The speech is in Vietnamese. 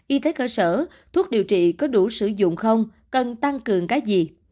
y tế cơ sở thuốc điều trị có đủ sử dụng không cần tăng cường cái gì